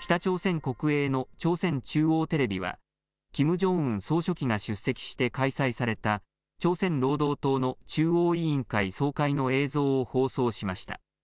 北朝鮮国営の朝鮮中央テレビはキム・ジョンウン総書記が出席して開催された朝鮮労働党の中央委員会総会の映像を放送しました。